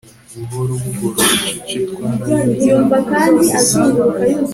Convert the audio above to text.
Buhorobuhoro bucece twarayobye mnzira